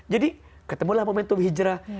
jadi ketemulah momentum hijrah